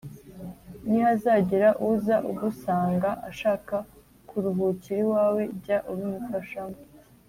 Nihazagira uza agusanga ashaka kuruhukira iwawe jya ubimufasahamo.